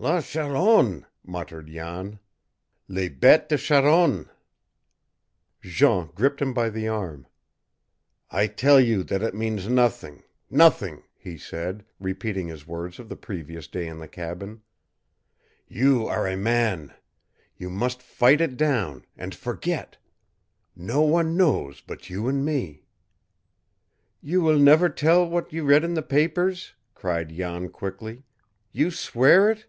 "La charogne!" muttered Jan. "Les bêtes de charogne!" Jean gripped him by the arm. "I tell you that it means nothing nothing!" he said, repeating his words of the previous day in the cabin. "You are a man. You must fight it down, and forget. No one knows but you and me." "You will never tell what you read in the papers?" cried Jan quickly. "You swear it?"